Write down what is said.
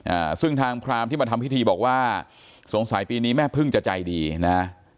อ่าซึ่งทางพรามที่มาทำพิธีบอกว่าสงสัยปีนี้แม่พึ่งจะใจดีนะฮะ